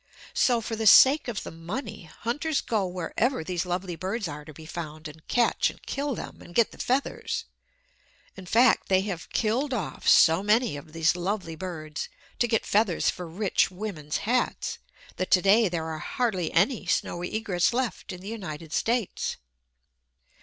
So, for the sake of the money, hunters go wherever these lovely birds are to be found, and catch and kill them, and get the feathers. In fact, they have killed off so many of these lovely birds, to get feathers for rich women's hats, that to day there are hardly any snowy egrets left in the United States.